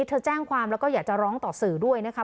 เธอแจ้งความแล้วก็อยากจะร้องต่อสื่อด้วยนะคะ